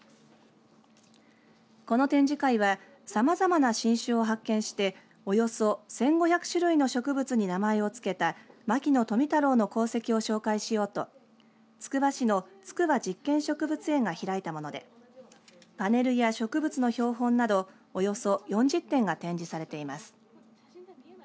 この展示会はさまざまな新種を発見しておよそ１５００種類の植物に名前を付けた牧野富太郎の功績を紹介しようとつくば市の筑波実験植物園が開いたものでパネルや植物の標本などおよそ４０点が展示されています。